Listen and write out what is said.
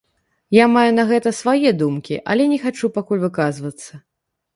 Я маю на гэта свае думкі, але не хачу пакуль выказвацца.